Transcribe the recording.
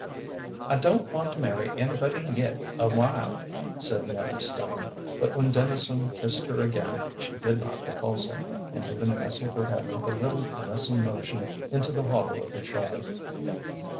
"I don't want to marry anybody yet awhile," said Nellie Stone; but when Dennison kissed her again she did not repulse him, and even nestled her head with a little caressing motion into the hollow of his shoulder.